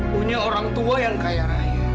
punya orang tua yang kaya raya